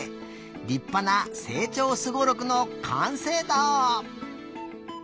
りっぱなせいちょうスゴロクのかんせいだ！